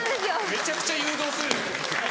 めちゃくちゃ誘導する。